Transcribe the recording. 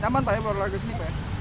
nyaman pak ya berolahraga di sini pak ya